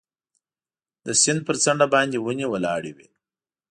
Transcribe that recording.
د سیند پر څنډه باندې ونې ولاړې وې.